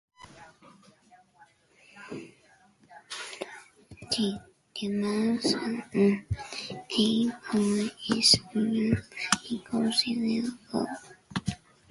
The main source of the game's horror is Alma, a ghostly little girl.